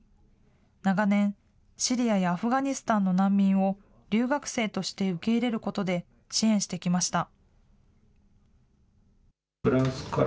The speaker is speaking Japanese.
長年、シリアやアフガニスタンの難民を留学生として受け入れることで支援してきました。